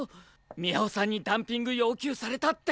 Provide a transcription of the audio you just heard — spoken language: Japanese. ⁉宮尾さんにダンピング要求されたって！